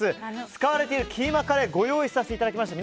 使われているキーマカレーをご用意させていただきました。